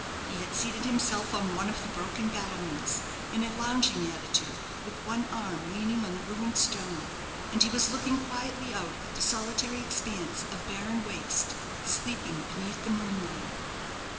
He had seated himself on one of the broken battlements, in a lounging attitude, with one arm leaning on the ruined stone, and he was looking quietly out at the solitary expanse of barren waste sleeping beneath the moonlight.